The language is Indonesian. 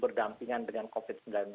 berdampingan dengan covid sembilan belas